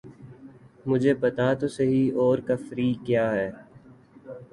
مجھے بتا تو سہی اور کافری کیا ہے!